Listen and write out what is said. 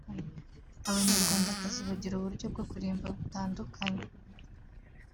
Abanyarwandakazi bagira uburyo bwo kurimba butandukanye